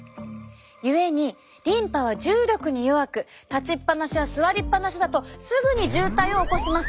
故にリンパは重力に弱く立ちっぱなしや座りっぱなしだとすぐに渋滞を起こします。